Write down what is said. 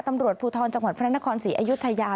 ตำรวจภูทรจังหวัดพระนครศรีอยุธยา